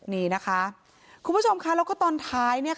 นี่นะคะคุณผู้ชมค่ะแล้วก็ตอนท้ายเนี่ยค่ะ